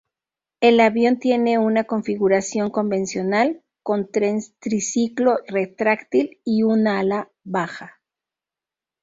El avión tiene una configuración convencional, con tren triciclo retráctil y un ala baja.